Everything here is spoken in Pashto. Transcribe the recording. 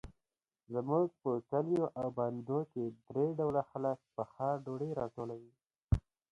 زموږ په کلیو او بانډو کې درې ډوله خلک پخه ډوډۍ راټولوي.